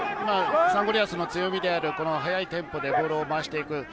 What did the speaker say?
サンゴリアスの強みである、速いテンポでボールを回していく。